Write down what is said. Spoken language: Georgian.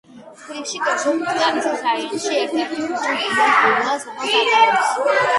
თბილისში, კერძოდ, კრწანისის რაიონში ერთ-ერთი ქუჩა გია გულუას სახელს ატარებს.